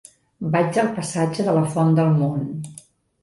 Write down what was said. Vaig al passatge de la Font del Mont.